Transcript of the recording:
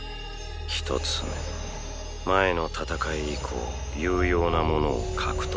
１つめ前の戦い以降有用なものを獲得していない。